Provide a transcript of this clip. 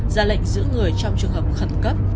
ra lệnh giữ người trong trường hợp khẩn cấp